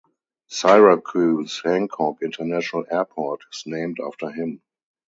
Syracuse Hancock International Airport is named after him.